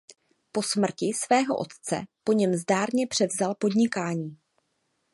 Po smrti svého otce po něm zdárně převzal podnikání.